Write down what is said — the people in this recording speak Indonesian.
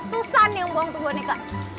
susan yang buang tuh boneka